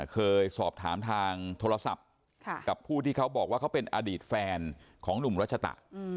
เคยสอบถามทางโทรศัพท์กับผู้ที่เขาบอกว่าเขาเป็นอดีตแฟนของหนุ่มรัชตะ